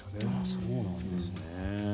そうなんですね。